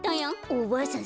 おばあさん